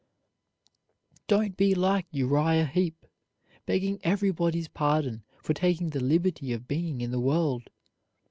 Don't be like Uriah Heep, begging everybody's pardon for taking the liberty of being in the world.